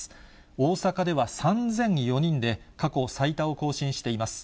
大阪では３００４人で過去最多を更新しています。